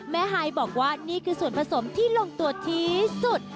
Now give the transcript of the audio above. ไฮบอกว่านี่คือส่วนผสมที่ลงตัวที่สุด